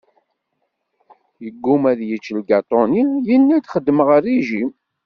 Yegguma ad yečč lgaṭu-nni, yenna-d xeddmeɣ rrijim.